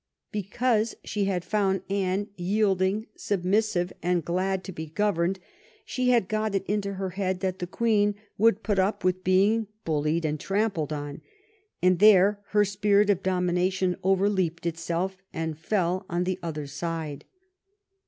Because she had found Anne yielding, submissive, and glad to be governed, she had got it into her head that the Queen would put up with being bullied and trampled on, and there her spirit of dom ination overleaped itself and fell on the other side.